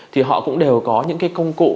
thì họ cũng đều có những công cụ